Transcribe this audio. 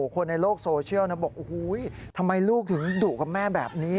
คนในโลกโซเชียลนะบอกโอ้โหทำไมลูกถึงดุกับแม่แบบนี้